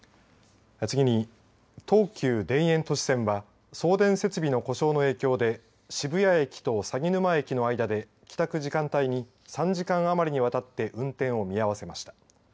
次に、東急田園都市線は送電設備の故障の影響で渋谷駅と鷺沼駅の間で帰宅時間帯に３時間余りにわたって運転を見合わせました。